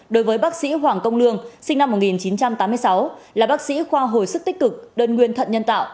đối với bác sĩ hoàng công lương sinh năm một nghìn chín trăm tám mươi sáu là bác sĩ khoa hồi sức tích cực đơn nguyên thận nhân tạo